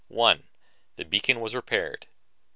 One: The beacon was repaired.